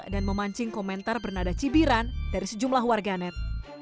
dan memancing komentar bernada cibiran dari sejumlah warganet